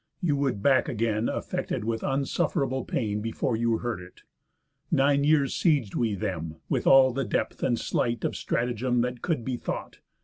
You would back again, Affected with unsufferable pain, Before you heard it. Nine years sieg'd we them, With all the depth and sleight of stratagem That could be thought.